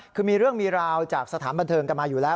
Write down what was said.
คือมีเรื่องมีราวจากสถานบันเทิงกันมาอยู่แล้ว